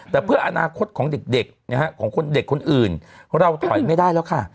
แต่เพื่ออนาคตของเด็กของเด็กคนอื่นเราถอยไม่ได้แล้วค่ะ